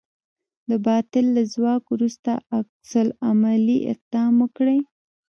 د باطل له ځواک وروسته عکس العملي اقدام وکړئ.